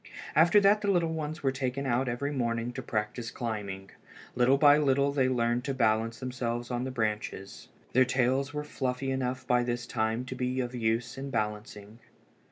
After that the little ones were taken out every morning to practise climbing. Little by little they learned to balance themselves on the branches. Their tails were fluffy enough by this time to be of use in balancing.